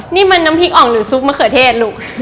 นี่มันน้ำพริกอ่องหรือซุปมะเขือเทศลูก